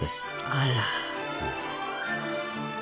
あら。